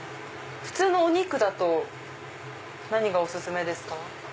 普通のお肉だと何がお薦めですか？